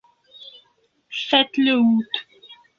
Fête le août.